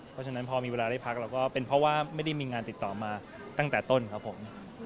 เพราะฉะนั้นพอมีเวลาได้พักเราก็เป็นเพราะว่าไม่ได้มีงานติดต่อมาตั้งแต่ต้นครับผม